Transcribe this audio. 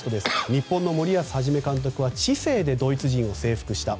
日本の森保一監督は知性でドイツ人を征服した。